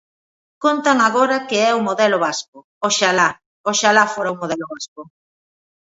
Contan agora que é o modelo vasco; ¡oxalá!, oxalá fora o modelo vasco.